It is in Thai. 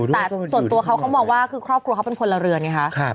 แต่ส่วนตัวเขาเขามองว่าคือครอบครัวเขาเป็นพลเรือนไงคะ